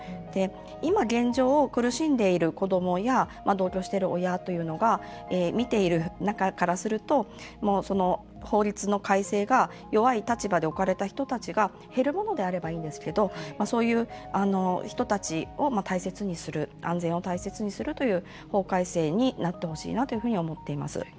今現状を苦しんでいる子どもや同居してる親というのが見ている中からすると法律の改正が弱い立場で置かれた人たちが減るものであればいいんですけどそういう人たちを大切にする安全を大切にするという法改正になってほしいなというふうに思っています。